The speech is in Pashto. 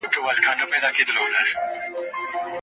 چېري د کډوالو کمپونه جوړیږي؟